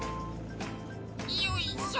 よいしょ！